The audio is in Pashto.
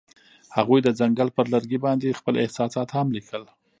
هغوی د ځنګل پر لرګي باندې خپل احساسات هم لیکل.